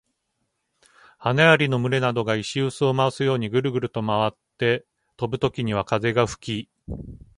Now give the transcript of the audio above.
羽蟻の群れなどが石臼を回すようにぐるぐると回って飛ぶときには風が吹き、杵で臼をつくように、上に下にと飛ぶときには雨になるという言い伝え。物事の兆し、前兆などの例えとして使われる。